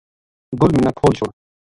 گل منا کھول چھُڑ